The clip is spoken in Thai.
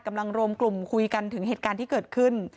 รวมกลุ่มคุยกันถึงเหตุการณ์ที่เกิดขึ้น